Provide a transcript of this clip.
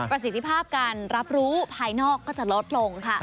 ประสิทธิภาพการรับรู้ภายนอกก็จะลดลงค่ะ